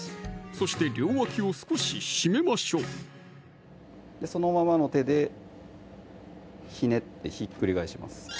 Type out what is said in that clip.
そして両脇を少し締めましょうそのままの手でひねってひっくり返します